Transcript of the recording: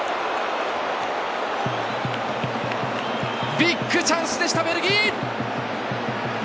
ビッグチャンスでしたベルギー。